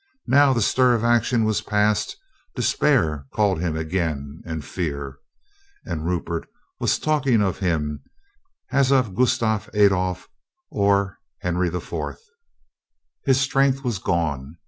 Now the stir of action was past, despair called him again and fear. And Rupert was talking of him as of Gustav Adolf or Henri IV. His strength was gone.